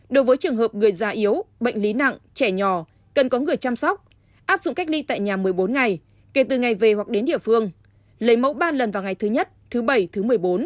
đối với trường hợp người già yếu bệnh lý nặng trẻ nhỏ cần có người chăm sóc áp dụng cách ly tại nhà một mươi bốn ngày kể từ ngày về hoặc đến địa phương lấy mẫu ba lần vào ngày thứ nhất thứ bảy thứ một mươi bốn